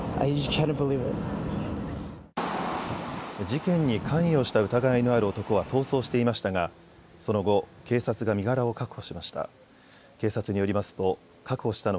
事件に関与した疑いのある男は逃走していましたが、その後警察が身柄を確保しました。